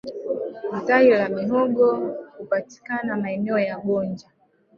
Zai la mihogo hupatikana maeneo ya gonja